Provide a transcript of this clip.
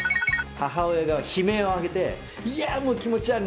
母親が悲鳴を上げて、いやもう、気持ち悪い！